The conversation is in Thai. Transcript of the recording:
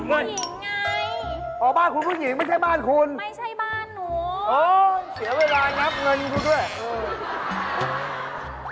ทำไมทุกผู้หญิงไม่เอาคนใช้มาซื้อหรือฮะ